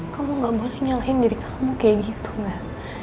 kamu gak boleh nyalahin diri kamu kayak gitu gak